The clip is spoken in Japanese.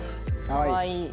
かわいい。